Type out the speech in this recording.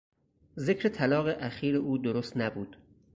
ذکر طلاق اخیر او درست نبود.